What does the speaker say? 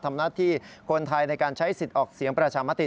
ทำหน้าที่คนไทยในการใช้สิทธิ์ออกเสียงประชามติ